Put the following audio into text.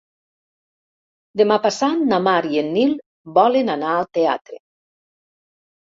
Demà passat na Mar i en Nil volen anar al teatre.